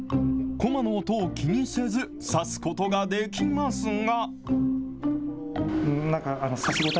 駒の音を気にせず指すことができますが。